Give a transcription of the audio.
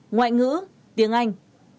ngoại ngữ tiếng anh